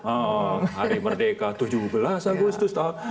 oh hari merdeka tujuh belas agustus